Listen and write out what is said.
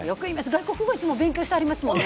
外国語、いつも勉強してはりますもんね。